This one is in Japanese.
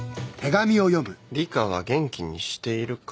「理花は元気にしているか」